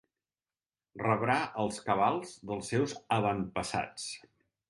Rebrà els cabals dels seus avantpassats.